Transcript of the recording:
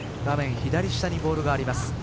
画面左下にボールがあります。